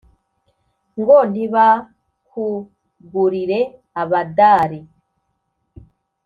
ngo ntibakugurire abadari